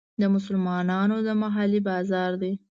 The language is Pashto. د مسلمانانو د محلې بازار دی.